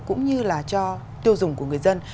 cũng như là cho tiêu dùng của người dân